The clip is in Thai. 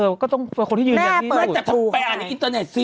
แม่จะไปอ่านในอินเตอร์เน็ตซิ